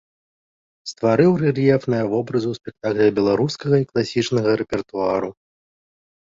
Стварыў рэльефныя вобразы ў спектаклях беларускага і класічнага рэпертуару.